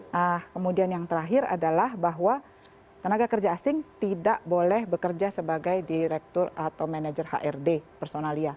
nah kemudian yang terakhir adalah bahwa tenaga kerja asing tidak boleh bekerja sebagai direktur atau manajer hrd personalia